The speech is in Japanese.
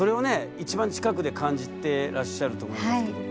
一番近くで感じてらっしゃると思いますけども。